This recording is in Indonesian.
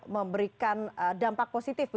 memberikan dampak positif